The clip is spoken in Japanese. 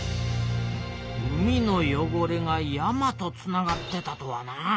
海のよごれが山とつながってたとはな。